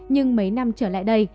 nhưng mấy năm trở lại đây